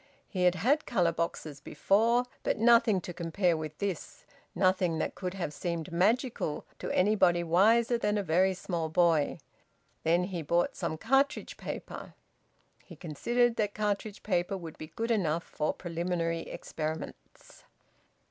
He had had colour boxes before, but nothing to compare with this, nothing that could have seemed magical to anybody wiser than a very small boy. Then he bought some cartridge paper; he considered that cartridge paper would be good enough for preliminary experiments.